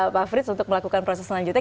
pak frits untuk melakukan proses selanjutnya